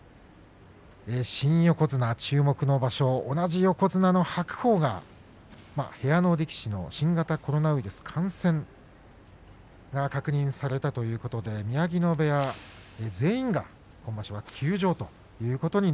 新横綱注目の場所同じ横綱の白鵬が部屋の力士に新型コロナウイルス感染が確認されたということで宮城野部屋全員が今場所は休場です。